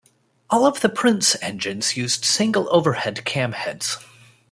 All of the Prince engines used single overhead cam heads.